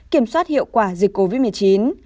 kiểm soát hiệu quả dịch covid một mươi chín